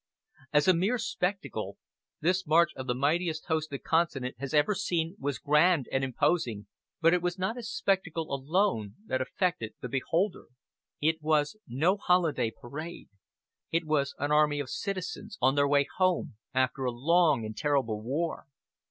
As a mere spectacle this march of the mightiest host the continent has ever seen was grand and imposing, but it was not as a spectacle alone that it affected the beholder. It was no holiday parade. It was an army of citizens on their way home after a long and terrible war.